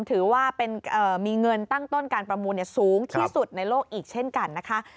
ถือว่ามีเงินตั้งต้นการประมูลสูงที่สุดในโลกอีกเช่นกันนะคะ